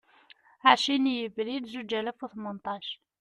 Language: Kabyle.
Ɛecrin Yebrir Zuǧ alas u Tmenṭac